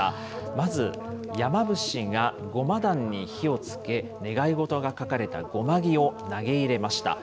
まず、山伏が護摩壇に火をつけ、願い事が書かれた護摩木を投げ入れました。